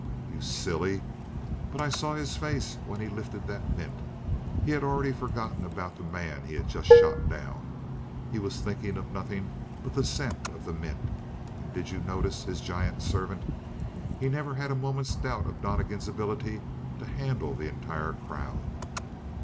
"You silly! But I saw his face when he lifted that mint. He'd already forgotten about the man he had just shot down. He was thinking of nothing but the scent of the mint. And did you notice his giant servant? He never had a moment's doubt of Donnegan's ability to handle the entire crowd.